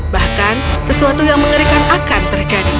bahkan sesuatu yang mengerikan akan terjadi